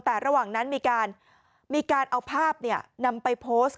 แต่ระหว่างนั้นมีการมีการเอาภาพเนี่ยนำไปโพสต์